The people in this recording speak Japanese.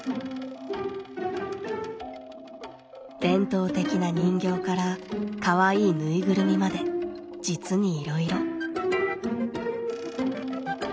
伝統的な人形からかわいいぬいぐるみまで実にいろいろ。